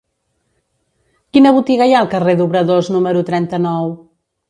Quina botiga hi ha al carrer d'Obradors número trenta-nou?